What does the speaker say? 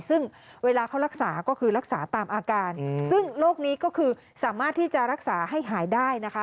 ซึ่งเวลาเขารักษาก็คือรักษาตามอาการซึ่งโรคนี้ก็คือสามารถที่จะรักษาให้หายได้นะคะ